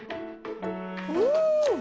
うん。